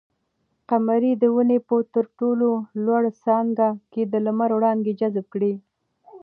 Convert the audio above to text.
قمرۍ د ونې په تر ټولو لوړه څانګه کې د لمر وړانګې جذب کړې.